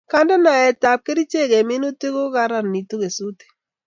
kandenaet ap kerichek eng minutik kokaraniti kesutik